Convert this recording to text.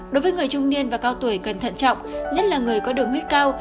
đối với người trung niên và cao tuổi cần thận trọng nhất là người có đường huyết cao